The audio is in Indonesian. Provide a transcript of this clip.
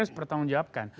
harus bertanggung jawabkan